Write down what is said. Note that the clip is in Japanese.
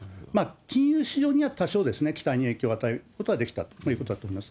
金融市場には多少期待に影響を与えることはあったと思います。